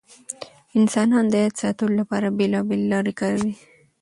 انسانان د یاد ساتلو لپاره بېلابېل لارې کاروي.